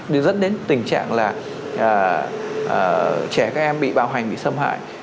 để dẫn đến tình trạng là trẻ các em bị bạo hành bị xâm hại